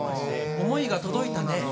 思いが届いたね。